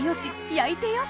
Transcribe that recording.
焼いてよし！